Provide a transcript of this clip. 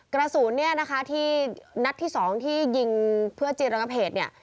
กระสุนเนี่ยนะคะที่นัดที่สองที่ยิงเพื่อจีนระงับเหตุเนี่ย